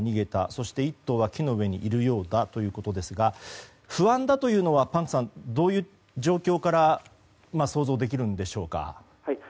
そして、１頭は木の上にいるようだということですが不安だというのはパンクさんどういう状況から想像できるんでしょうか。